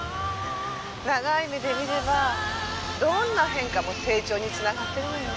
長い目で見ればどんな変化も成長につながってるのよね。